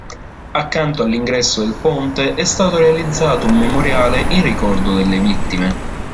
Accanto all'ingresso del ponte è stato realizzato un memoriale in ricordo delle vittime.